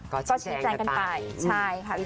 ก็ชิดแจงกันไปก็ชิดแจงกันไป